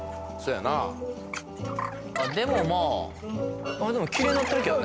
やなでもまあでもきれいなってるけどね